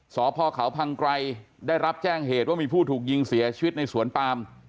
สพเขาพังไกรได้รับแจ้งเหตุว่ามีผู้ถูกยิงเสียชีวิตในสวนปาม